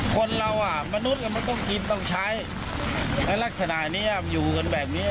คนเราอ่ะมนุษย์มันต้องกินต้องใช้ลักษณะนี้อยู่กันแบบนี้